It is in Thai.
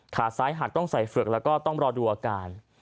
ขาซ้ายหักต้องใส่เฝือกแล้วก็ต้องรอดูอาการ